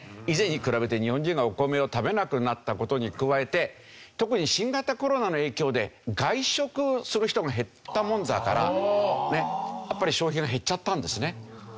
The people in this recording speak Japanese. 以前に比べて日本人がお米を食べなくなった事に加えて特に新型コロナの影響で外食する人が減ったもんだからやっぱり消費が減っちゃったんですね。